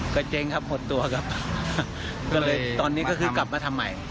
ก็เจ๊งครับหมดตัวครับก็เลยตอนนี้ก็คือกลับมาทำใหม่